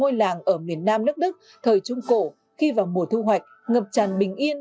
là bối cảnh một ngôi làng ở miền nam nước đức thời trung cổ khi vào mùa thu hoạch ngập tràn bình yên